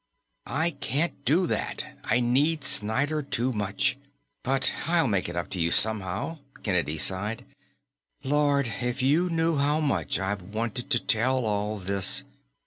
"I can't do that; I need Snyder too much. But I'll make it up to you somehow." Kennedy sighed. "Lord, if you knew how much I've wanted to tell all this!"